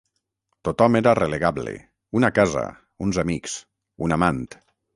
Tothom era relegable, una casa, uns amics, un amant.